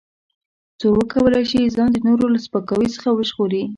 څو وکولای شي ځان د نورو له سپکاوي څخه وژغوري.